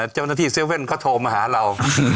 เจ้าหน้าที่๗๑๑เขาโทรมาหาเรา